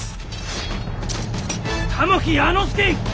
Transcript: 玉木弥之助！